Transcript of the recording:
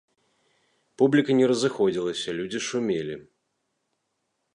Публіка не разыходзілася, людзі шумелі.